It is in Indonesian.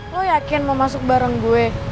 lo yakin mau masuk bareng gue